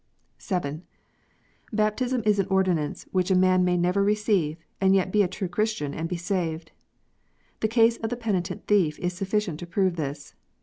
(7) Baptism is an ordinance which a man may never receive, and yet be a true Christian and be saved. The case of the penitent thief is sufficient to prove this.